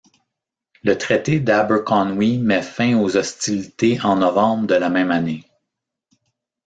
Le traité d'Aberconwy met fin aux hostilités en novembre de la même année.